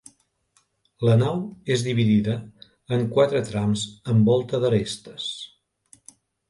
La nau és dividida en quatre trams amb volta d'arestes.